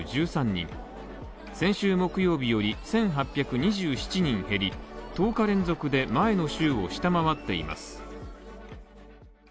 先週木曜日より１８２７人減り、１０日連続で前の週を下回っています。